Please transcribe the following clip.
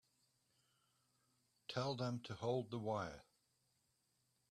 Tell them to hold the wire.